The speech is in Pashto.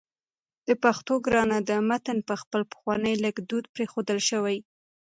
د پښتو ګرانه ده متن په خپل پخواني لیکدود پرېښودل شوی